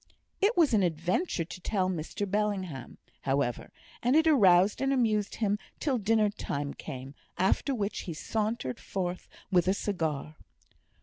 It was an adventure to tell Mr Bellingham, however; and it roused and amused him till dinner time came, after which he sauntered forth with a cigar.